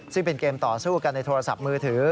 ซึ่งเป็นเกมต่อสู้กันในโทรศัพท์มือถือ